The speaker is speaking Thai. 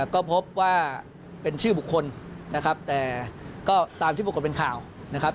ก็พบว่าเป็นชื่อบุคคลนะครับแต่ก็ตามที่ปรากฏเป็นข่าวนะครับ